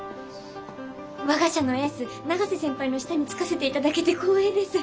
我が社のエース永瀬先輩の下につかせていただけて光栄です。